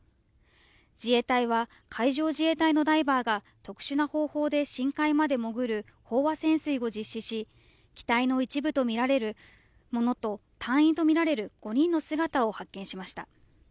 自衛隊は海上自衛隊のダイバーが特殊な方法で深海まで潜る飽和潜水を実施し、機体の一部とみられるものと、隊員とみられる５人の姿を発見しました。